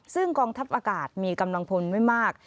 ซึ่งกองทัพอากาศมีกำลังพลไม่มาก